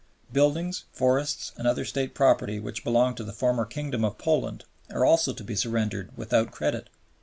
Buildings, forests, and other State property which belonged to the former Kingdom of Poland are also to be surrendered without credit.